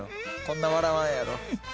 こんな笑わんやろ。